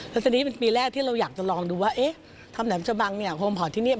แล้วทีนี้เป็นปีแรกที่เราอยากจะลองดูว่าเอ๊ะทำแหลมชะบังเนี่ยโฮมพอร์ตที่นี่